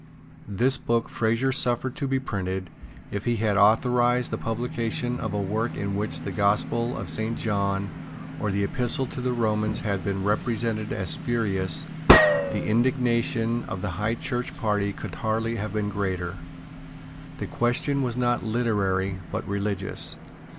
This book Fraser suffered to be printed. If he had authorised the publication of a work in which the Gospel of Saint John or the Epistle to the Romans had been represented as spurious, the indignation of the High Church party could hardly have been greater. The question was not literary, but religious.